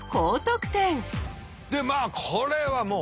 でまあこれはもう。